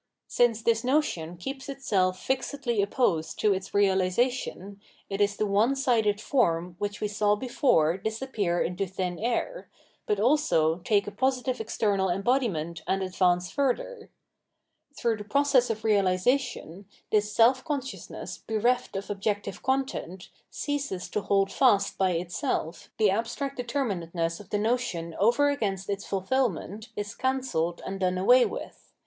Since this notion keeps itself fixedly opposed to its reahsation, it is the one sided form which we saw before disappear into thin air, but also take a positive ex ternal embodiment and advance further. Through the process of realisation, this self consciousness bereft of objective content ceases to hold fast by itself, the abstract determinateness of the notion over against its fulfilment is cancelled and done away with.